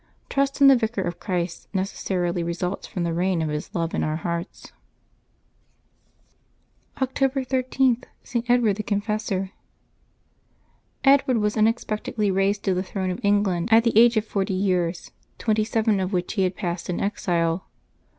Trust in the Vicar of Christ necessarily results from the reign of His love in our hearts. October 13.— ST. EDWARD THE CONFESSOR. /i^DWARD was unexpectedly raised to the throne of Eng VJl land at the age of forty years, twenty seven of which he had passed in exile.